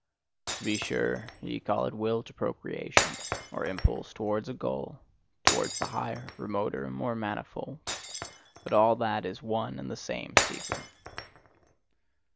To be sure, ye call it will to procreation, or impulse towards a goal, towards the higher, remoter, more manifold: but all that is one and the same secret.